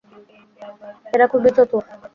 এরা খুবই চতুর।